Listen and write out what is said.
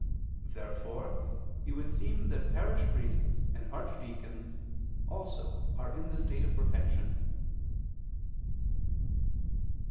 Therefore it would seem that parish priests and archdeacons also are in the state of perfection.